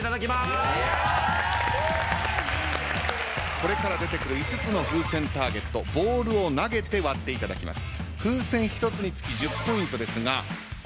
これから出てくる５つの風船ターゲットボールを投げて割っていただきます。